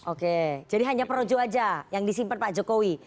oke jadi hanya projo aja yang disimpan pak jokowi